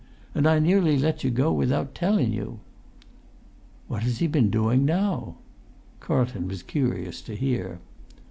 "And I nearly let you go without tellun you!" "What has he been doing now?" Carlton was curious to hear.